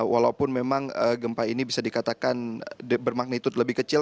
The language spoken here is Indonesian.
walaupun memang gempa ini bisa dikatakan bermagnitud lebih kecil